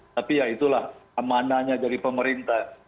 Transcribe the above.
tapi ya itulah amanahnya dari pemerintah